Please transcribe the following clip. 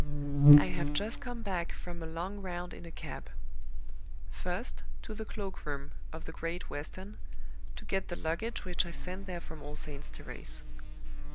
"I have just come back from a long round in a cab. First, to the cloak room of the Great Western, to get the luggage which I sent there from All Saints' Terrace.